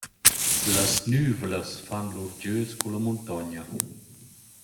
Las nüvlas fan lur gös culla muntogna.